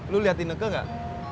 lu liat ineke gak